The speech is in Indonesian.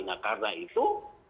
nah karena itu